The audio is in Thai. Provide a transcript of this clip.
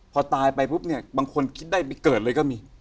พอตายไปปุ๊บเนี่ยบางคนคิดได้ไปเกิดเลยก็มี